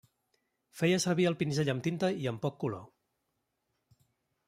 Feia servir el pinzell amb tinta i amb poc color.